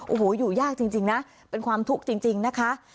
โอ้โหอยู่ยากจริงนะเป็นความทุกข์จริงนะคะ